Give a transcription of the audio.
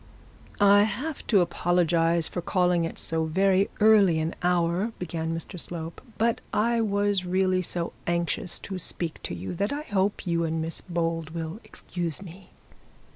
'I have to apologise for calling at so very early an hour,' began Mr Slope, 'but I was really so anxious to speak to you that I hope you and Miss Bold will excuse me.'